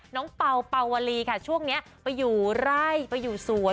เป่าเป่าวลีค่ะช่วงนี้ไปอยู่ไร่ไปอยู่สวน